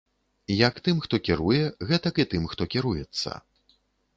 Як тым, хто кіруе, гэтак і тым, хто кіруецца.